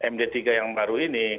md tiga yang baru ini